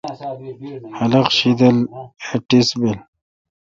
خلق شیدل اے ٹیس بیل۔